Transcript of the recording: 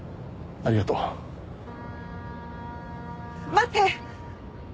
待って！